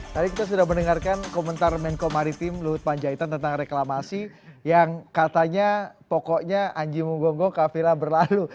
tadi kita sudah mendengarkan komentar menko maritim luhut panjaitan tentang reklamasi yang katanya pokoknya anji munggong munggong kafila berlalu